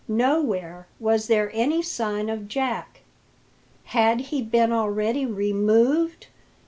Nowhere was there any sign of Jack. "Had he been already removed?"